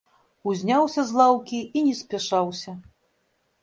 Узняўся з лаўкі і не спяшаўся.